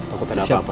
aku tak ada apa apa